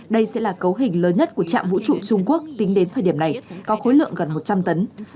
đây sẽ là cấu hình lớn nhất của trạm vũ trụ trung quốc tính đến thời điểm này có khối lượng gần một trăm linh tấn